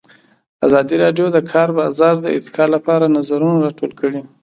ازادي راډیو د د کار بازار د ارتقا لپاره نظرونه راټول کړي.